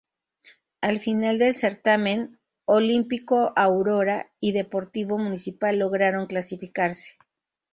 Al final del certamen, Olímpico Aurora y Deportivo Municipal lograron clasificarse.